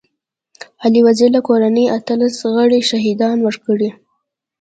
علي وزير له کورنۍ اتلس غړي شهيدان ورکړي.